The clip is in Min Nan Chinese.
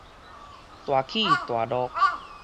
大起大落